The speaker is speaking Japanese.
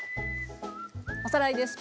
おさらいです。